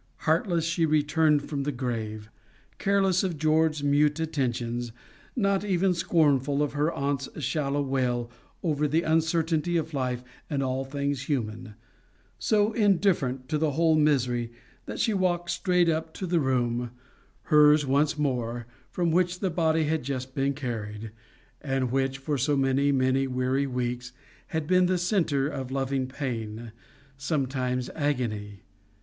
Heartless she returned from the grave, careless of George's mute attentions, not even scornful of her aunt's shallow wail over the uncertainty of life and all things human, so indifferent to the whole misery that she walked straight up to the room, hers once more, from which the body had just been carried, and which, for so many many weary weeks, had been the centre of loving pain, sometimes agony.